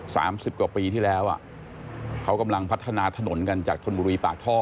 สิบกว่าปีที่แล้วอ่ะเขากำลังพัฒนาถนนกันจากชนบุรีปากท่อ